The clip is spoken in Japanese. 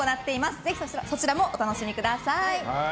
ぜひそちらもお楽しみください。